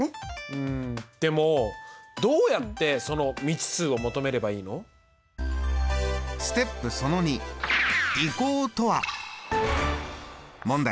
うんでもどうやってその未知数を求めればいいの？問題！